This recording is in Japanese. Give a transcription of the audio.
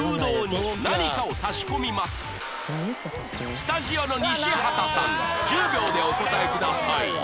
スタジオの西畑さん１０秒でお答えください